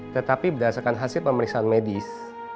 tetapi berdasarkan hasil pemeriksaan medis